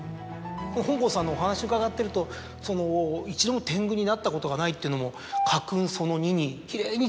本郷さんのお話伺ってると一度も天狗になったことがないっていうのも家訓その２にきれいにつながって。